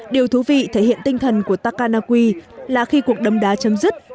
điều thú vị thể hiện tinh thần của takanagi là khi cuộc đâm đá chấm dứt